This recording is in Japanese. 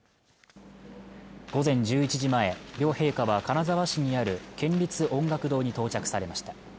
午前１１時前両陛下は金沢市にある県立音楽堂に到着されました